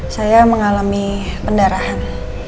saya mengalami pendarahan